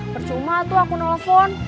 bercuma tuh aku nelfon